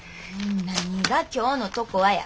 何が今日のとこはや。